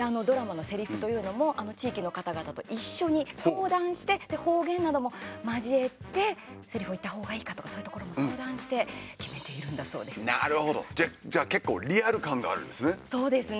あのドラマのせりふというのもあの地域の方々と一緒に相談して方言なども交えてせりふを言った方がいいかとかそういうところも相談してなるほど、じゃあそうですね。